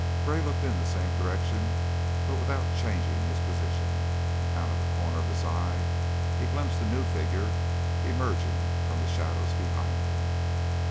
Gray looked in the same direction, but without changing his position, and out of the corner of his eye he glimpsed a new figure emerging from the shadows behind him.